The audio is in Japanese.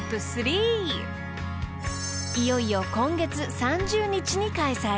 ［いよいよ今月３０日に開催］